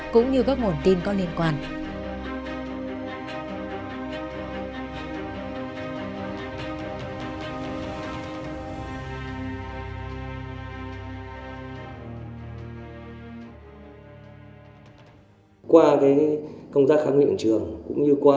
cũng như các phòng nghiệp vụ để xác định hướng điều tra